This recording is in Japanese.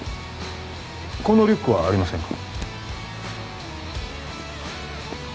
このリュックはありませんか？